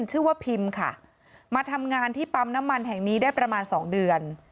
ชื่อว่าพิมค่ะมาทำงานที่ปั๊มน้ำมันแห่งนี้ได้ประมาณสองเดือน